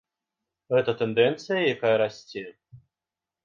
Гэта тэндэнцыя, якая расце.